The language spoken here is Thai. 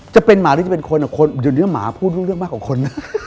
จะเป็นหมาหรือจะเป็นคน